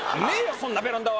そんなベランダは！